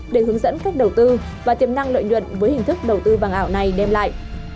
để hướng dẫn cách đầu tư và tiềm năng lợi nhuận với hình thức đầu tư vàng ảo này đem lại